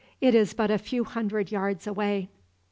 It is but a few hundred yards away."